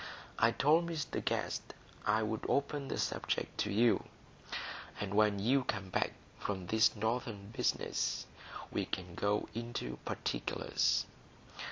I told Mr Guest I would open the subject to you; and when you come back from this northern business, we can go into particulars.